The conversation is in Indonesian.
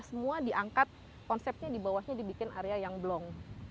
semua diangkat konsepnya dibawahnya dibikin area yang blong